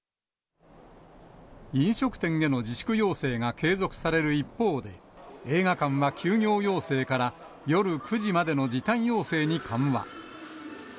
飲食店への自粛要請が継続される一方で、映画館は休業要請から夜９時までの時短要請に緩和。